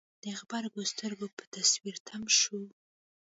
د غبرګو سترګو په تصوير تم شو.